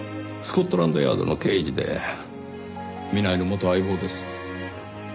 スコットランドヤードの刑事で南井の元相棒です。